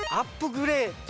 グレート。